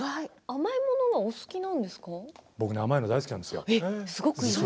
甘いものが大好きなんです。